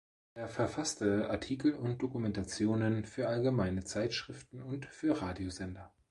Er verfasste Artikel und Dokumentationen für allgemeine Zeitschriften und für Radiosender.